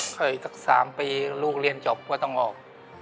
เคยสัก๓ปีลูกเรียนจบก็ต้องออก